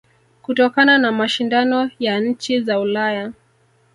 Kutokana na mashindano ya nchi za Ulaya